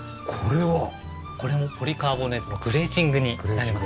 これもポリカーボネートのグレーチングになります。